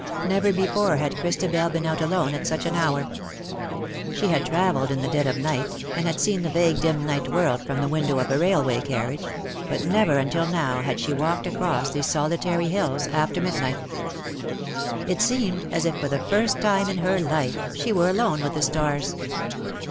Never before had Christabel been out alone at such an hour. She had travelled in the dead of the night, and had seen the vague dim night world from the window^ of a railway carriage — but never until now had she walked across these solitary hills after midnight. It seemed as if for the first time in her life she were alone with the stars.